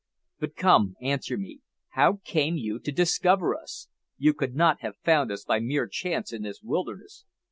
But come, answer me. How came you to discover us? You could not have found us by mere chance in this wilderness?"